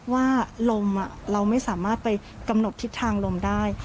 ว่าลมเราไม่สามารถไปกำหนดทิศทางลมได้